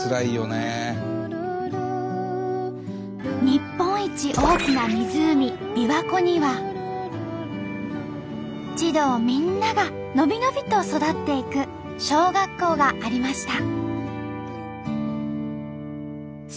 日本一大きな湖びわ湖には児童みんながのびのびと育っていく小学校がありました。